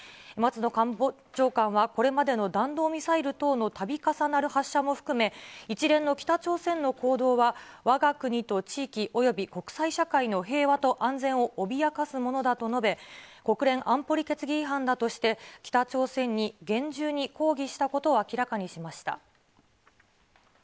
松野官房長官は、これまでの弾道ミサイル等のたび重なる発射も含め、一連の北朝鮮の行動は、わが国と地域および国際社会の平和と安全を脅かすものだと述べ、国連安保理決議違反だとして、北朝鮮に厳重に抗議したことを明らかにしました。